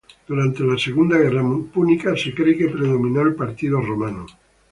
Durante la segunda guerra púnica, se cree que predominó el partido romano.